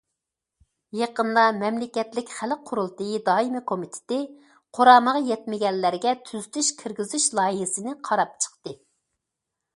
يېقىندا، مەملىكەتلىك خەلق قۇرۇلتىيى دائىمىي كومىتېتى قۇرامىغا يەتمىگەنلەرگە تۈزىتىش كىرگۈزۈش لايىھەسىنى قاراپ چىقتى.